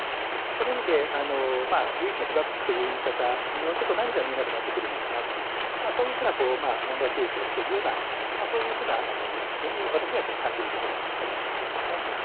その意味で、唯一の被爆国という言い方によって何が見えなくなってくるのかなというような問題提起をしているようなそういう絵に私は感じるところはありますね。